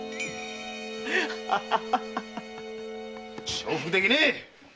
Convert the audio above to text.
承服できねえ！